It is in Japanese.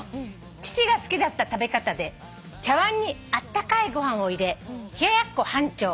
「父が好きだった食べ方で茶わんにあったかいご飯を入れ冷ややっこ半丁」